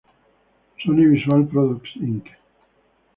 Sony Visual Products, Inc.